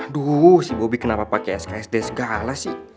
aduh si bobby kenapa pake sksd segala sih